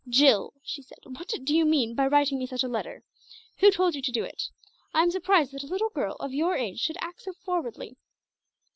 "Jill," she said, "what do you mean by writing me such a letter? Who told you to do it? I am surprised that a little girl of your age should act so forwardly!"